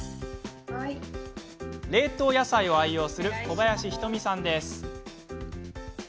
冷凍野菜を愛用する小林瞳さんです。